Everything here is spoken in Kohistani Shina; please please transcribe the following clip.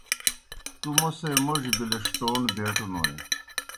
تُوْ موْسے موڙیْ بِلِݜٹَون بیٹوْنوئے۔